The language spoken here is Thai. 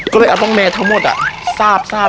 ก็ไม่เอาตรงเมล้งทุกคนอ่ะ